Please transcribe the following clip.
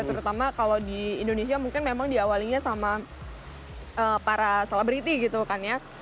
terutama kalau di indonesia mungkin memang diawalinya sama para selebriti gitu kan ya